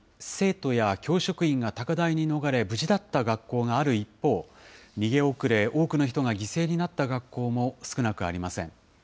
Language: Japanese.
生徒や教職員が高台に逃れ、無事だった学校がある一方、逃げ遅れ、多くの人が犠牲になった学校も少なくありません。